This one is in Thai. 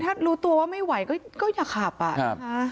ถ้ารู้ตัวว่าไม่ไหวก็อย่าขับอ่ะนะคะ